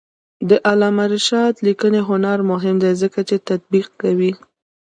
د علامه رشاد لیکنی هنر مهم دی ځکه چې تطبیق کوي.